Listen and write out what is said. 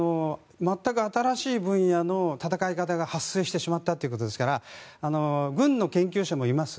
全く新しい分野の戦い方が発生してしまったということですから軍の研究者もいます。